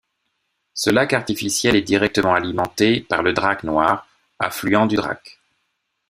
Ce lac artificiel est directement alimenté par le Drac noir, affluent du Drac.